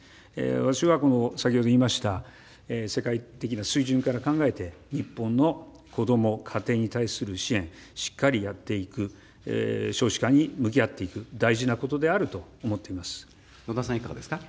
私はこの、先ほど言いました、世界的な水準から考えて、日本の子ども、家庭に対する支援、しっかりやっていく、少子化に向き合っていく、大事なことである野田さん、いかがですか。